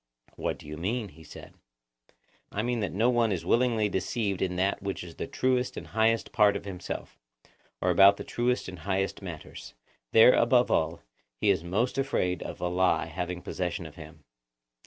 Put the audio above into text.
What do you mean? he said. I mean that no one is willingly deceived in that which is the truest and highest part of himself, or about the truest and highest matters; there, above all, he is most afraid of a lie having possession of him.